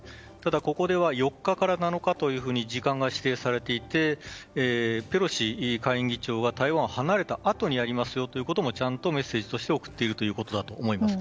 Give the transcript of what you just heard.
ここでは４日から７日と時間が指定されていてペロシ下院議長は台湾を離れたあとにやりますよというのをメッセージとして送っているということだと思います。